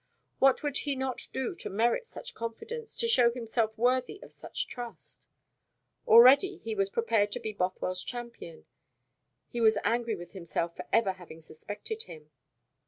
What would he not do to merit such confidence, to show himself worthy of such trust? Already he was prepared to be Bothwell's champion; he was angry with himself for ever having suspected him.